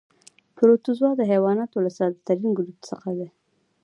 پروتوزوا د حیواناتو له ساده ترین ګروپ څخه دي.